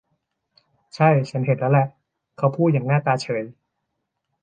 ใช่ ฉันเห็นแล้วแหละ เขาพูดอย่างหน้าตาเฉย